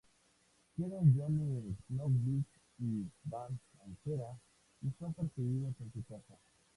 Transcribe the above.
Quedan Johnny Knoxville y Bam Margera, y son perseguidos en una casa.